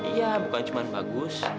iya bukan cuman bagus